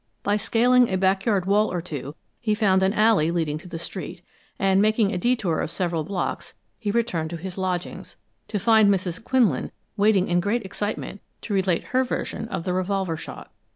By scaling a back yard wall or two he found an alley leading to the street; and making a detour of several blocks, he returned to his lodgings, to find Mrs. Quinlan waiting in great excitement to relate her version of the revolver shot.